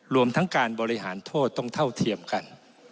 รวมทั้งการบริหารโทษต้องเท่าเทียมกัน